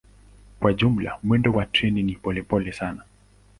Kwa jumla mwendo wa treni ni polepole sana.